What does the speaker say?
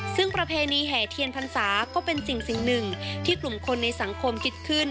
ซึ่งประเพณีแห่เทียนพรรษาก็เป็นสิ่งหนึ่งที่กลุ่มคนในสังคมคิดขึ้น